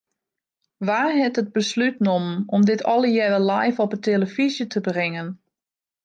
Wa hat it beslút nommen om dit allegearre live op 'e telefyzje te bringen?